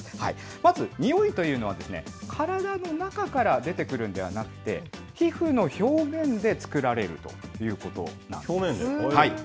まず、においというのは、体の中から出てくるんではなくて、皮膚の表面で作られるということなん表面で？